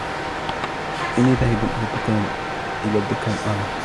اني ذاهب إلى الدكان ألان.